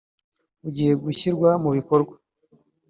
ugiye gushyirwa mu bikorwa